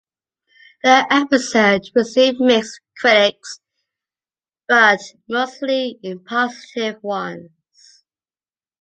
The episode received mixed critiques, but mostly positive ones.